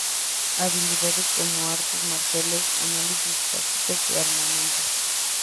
Habilidades como artes marciales, análisis táctico y armamento.